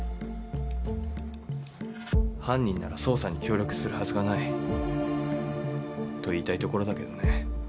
犯人なら捜査に協力するはずがない。と言いたいところだけどね。